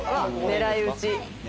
狙い撃ち。